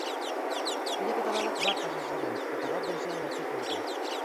Bilaketa-lanak bart hasi ziren, eta gaur goizean aurkitu dute.